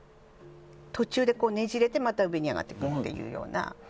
途中でねじれて、また上に上がっていくというような。